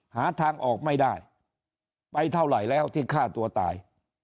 หาทางออกไม่ได้ไปเท่าไหร่แล้วที่ฆ่าตัวตาย